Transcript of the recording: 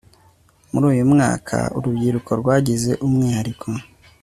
muri uyu mwaka urubyiruko rwagize umwihariko